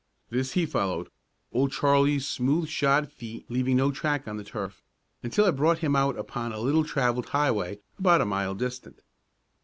This he followed Old Charlie's smooth shod feet leaving no track on the turf until it brought him out upon a little travelled highway about a mile distant.